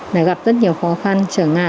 là gặp rất nhiều khó khăn trở ngại